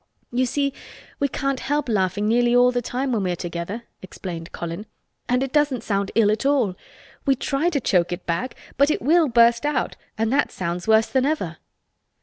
"You see we can't help laughing nearly all the time when we are together," explained Colin. "And it doesn't sound ill at all. We try to choke it back but it will burst out and that sounds worse than ever."